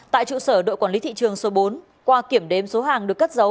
tại trụ sở đội quản lý thị trường số bốn qua kiểm đếm số hàng được cất giấu